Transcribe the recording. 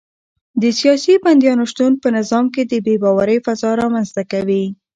د سیاسي بندیانو شتون په نظام کې د بې باورۍ فضا رامنځته کوي.